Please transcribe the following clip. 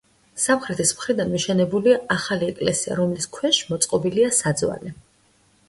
სამხრეთის მხრიდან მიშენებულია ახალი ეკლესია, რომლის ქვეშ მოწყობილია საძვალე.